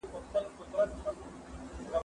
هره ورځ یې وي مرگی زموږ له زوره